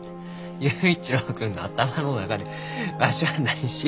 佑一郎君の頭の中でわしは何しゆうがじゃ？